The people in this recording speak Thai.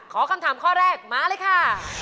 คำถามข้อแรกมาเลยค่ะ